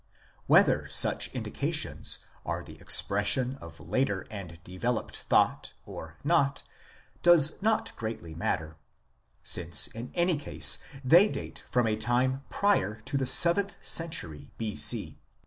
Whether such indications are the expression of later and developed thought or not does not greatly matter, since in any case they date from a time prior to the seventh century B.C.